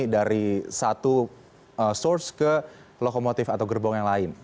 dari satu source ke lokomotif atau gerbang